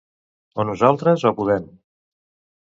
O nosaltres o Podem.